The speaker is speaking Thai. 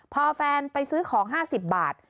พอแฟนไปซื้อของ๕๐บาท